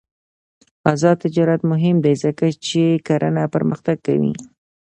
آزاد تجارت مهم دی ځکه چې کرنه پرمختګ کوي.